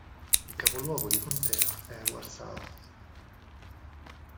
Il capoluogo di contea è Warsaw